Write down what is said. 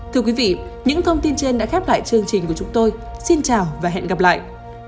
thưa quý vị những thông tin trên đã khép lại chương trình của chúng tôi xin chào và hẹn gặp lại